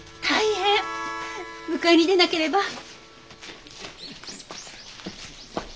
大変迎えに出なければ。